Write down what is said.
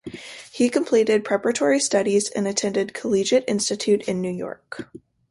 He completed preparatory studies and attended Collegiate Institute in New York.